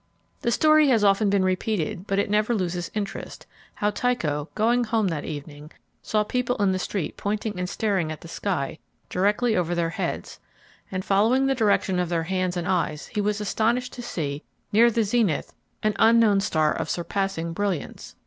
The story has often been repeated, but it never loses interest, how Tycho, going home that evening, saw people in the street pointing and staring at the sky directly over their heads, and following the direction of their hands and eyes he was astonished to see, near the zenith, an unknown star of surpassing brilliance.